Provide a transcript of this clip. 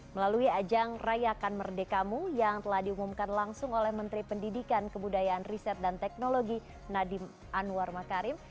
melalui ajang rayakan merdekamu yang telah diumumkan langsung oleh menteri pendidikan kebudayaan riset dan teknologi nadiem anwar makarim